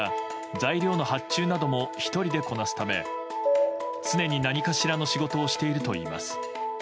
材料の発注なども１人でこなすため常に何かしらの仕事をしているといいます。